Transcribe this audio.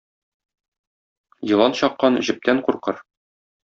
Елан чаккан җептән куркыр.